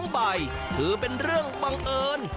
ใบถือเป็นเรื่องบังเอิญ